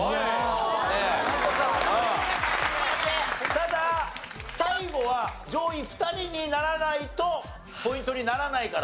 ただ最後は上位２人にならないとポイントにならないから。